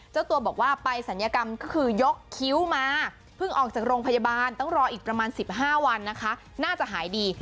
เจ้าตัวบอกว่าไปศัลยกรรมก็คือยกคิ้วมาเพิ่งออกจากโรงพยาบาลต้องรออีกประมาณ๑๕วันนะคะน่าจะหายดี